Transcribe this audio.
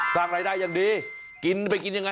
สร้างรายได้อย่างดีกินไปกินยังไง